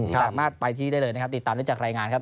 สามารถไปที่ได้เลยนะครับติดตามได้จากรายงานครับ